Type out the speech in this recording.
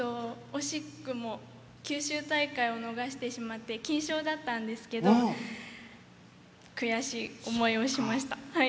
惜しくも九州大会を逃してしまって金賞だったんですけど悔しい思いをしました。